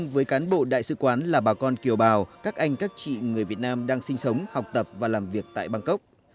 với cán bộ đại sứ quán là bà con kiều bào các anh các chị người việt nam đang sinh sống học tập và làm việc tại bangkok